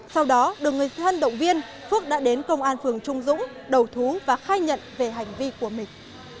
sau đó được người thân động viên phước đã đến công an phường trung dũng đầu thú và khai nhận về hành vi của mình